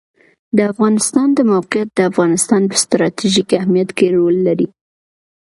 د افغانستان د موقعیت د افغانستان په ستراتیژیک اهمیت کې رول لري.